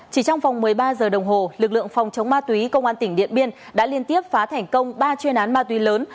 chỉ trong vòng một mươi ba giờ đồng hồ lực lượng phòng chống ma túy công an tỉnh điện biên đã liên tiếp phá thành công ba chuyên án ma túy lớn